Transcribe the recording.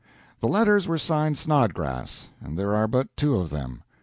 The letters were signed "Snodgrass," and there are but two of them.